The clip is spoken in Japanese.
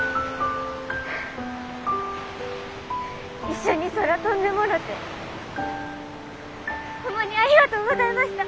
一緒に空飛んでもろてホンマにありがとうございました。